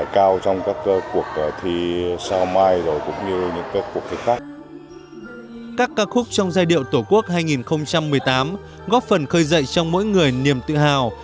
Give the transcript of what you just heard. các ca khúc trong giai điệu tổ quốc hai nghìn một mươi tám góp phần khơi dậy trong mỗi người niềm tự hào